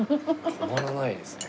止まらないですね。